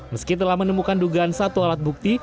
meski telah menemukan dugaan satu alat bukti